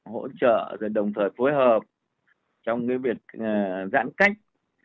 hỗ trợ rồi đồng thời phối hợp trong cái việc giãn cách